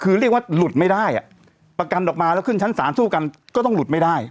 คือเรียกว่าหลุดไม่ได้อ่ะประกันออกมาแล้วขึ้นชั้นศาลสู้กันก็ต้องหลุดไม่ได้